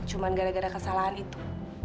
cuma gara gara kesalahan itu